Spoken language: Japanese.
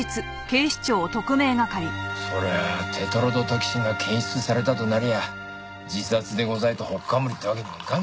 そりゃあテトロドトキシンが検出されたとなりゃあ自殺でございとほっかむりってわけにもいかんだろ。